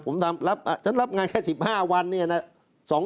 ผมทำแล้วจะรับงานแค่๑๕วัน